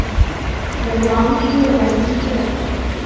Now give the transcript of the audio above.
子王士隆嗣。